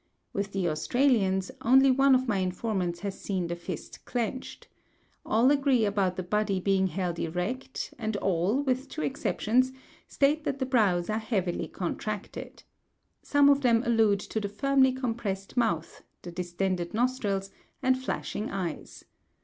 With the Australians only one of my informants has seen the fists clenched. All agree about the body being held erect; and all, with two exceptions, state that the brows are heavily contracted. Some of them allude to the firmly compressed mouth, the distended nostrils, and flashing eyes.